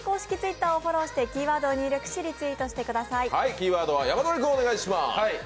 キーワードは山添君、お願いします。